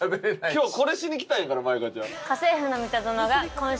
今日これしに来たんやから舞香ちゃん。